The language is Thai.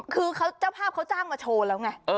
คือเจ้าภาพเขาจ้างมาโชว์แล้วไง